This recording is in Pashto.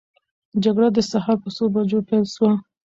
جګړه د سهار په څو بجو پیل سوه؟